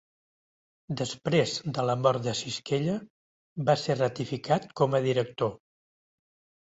Després de la mort de Sisquella, va ser ratificat com a director.